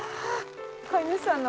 飼い主さんの。